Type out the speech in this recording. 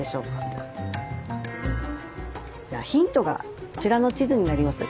ヒントがこちらの地図になります。